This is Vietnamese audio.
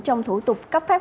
trong thủ tục cấp phép